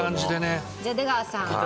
じゃあ出川さん。